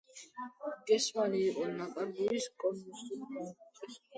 გუსმანი იყო ნიკარაგუის კონსერვატული პარტიის წევრი.